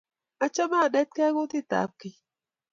achame anetigei kutii ab keny